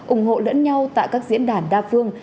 ủng hộ lẫn nhau tại các diễn đàn đa phương